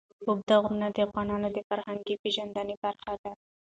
اوږده غرونه د افغانانو د فرهنګي پیژندنې برخه ده.